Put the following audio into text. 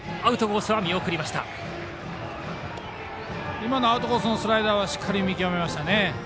今のアウトコースのスライダーはしっかり見極めましたね。